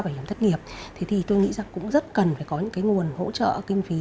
bảo hiểm thất nghiệp thì tôi nghĩ rằng cũng rất cần phải có những cái nguồn hỗ trợ kinh phí